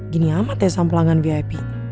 gini amat ya sama pelanggan vip